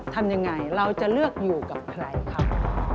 ทำยังไงเราจะเลือกอยู่กับใครครับ